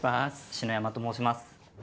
篠山と申します。